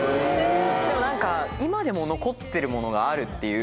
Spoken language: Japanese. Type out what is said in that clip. でも何か今でも残ってるものがあるっていう。